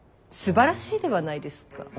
すばらしいではないですか。